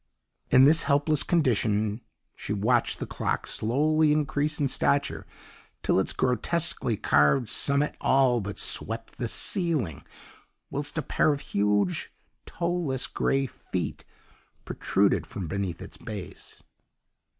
"In this helpless condition she watched the clock slowly increase in stature till its grotesquely carved summit all but swept the ceiling, whilst a pair of huge, toeless, grey feet protruded from beneath its base.